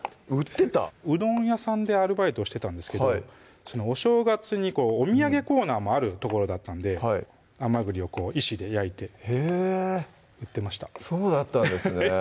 うどん屋さんでアルバイトをしてたんですけどお正月にお土産コーナーもある所だったんで甘栗を石で焼いて売ってましたそうだったんですね